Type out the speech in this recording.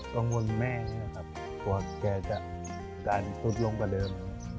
ก็งวลแม่นะครับว่าแกจะการรุดลงกระเริม